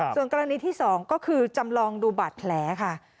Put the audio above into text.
ส่วนกรณีที่๒ก็คือจำลองดูบาดแผลค่ะ